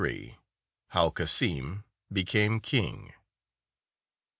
174 HOW CASSIM BECAME KING.